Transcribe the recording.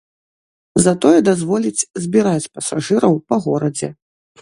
Затое дазволіць збіраць пасажыраў па горадзе.